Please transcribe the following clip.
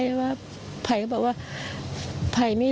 อยู่ดีมาตายแบบเปลือยคาห้องน้ำได้ยังไง